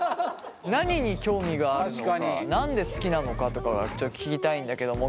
何に興味があるのか何で好きなのかとかが聞きたいんだけども。